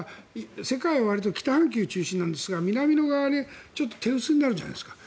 世界はわりと北半球が中心なんですが南の側が手薄になるんじゃないですか。